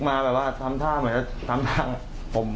ผมก็เลยกลับไปเอามีดมาครับ